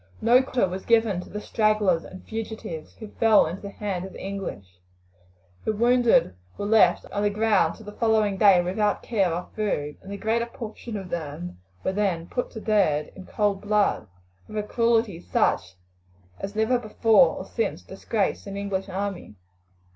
No quarter was given to the stragglers and fugitives who fell into the hands of the English. Their wounded were left on the ground till the following day without care or food, and the greater portion of them were then put to death in cold blood, with a cruelty such as never before or since disgraced an English army.